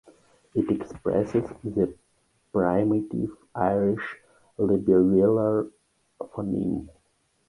It expresses the Primitive Irish labiovelar phoneme.